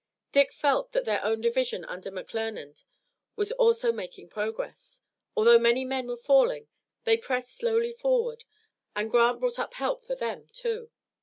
Dick felt that their own division under McClernand was also making progress. Although many men were falling they pressed slowly forward, and Grant brought up help for them too.